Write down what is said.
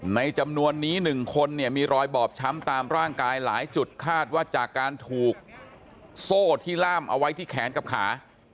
จำนวนนี้๑คนเนี่ยมีรอยบอบช้ำตามร่างกายหลายจุดคาดว่าจากการถูกโซ่ที่ล่ามเอาไว้ที่แขนกับขา